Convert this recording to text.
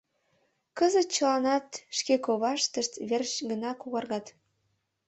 Кызыт чыланат шке коваштышт верч гына когаргат.